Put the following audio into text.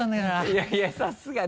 いやいやさすが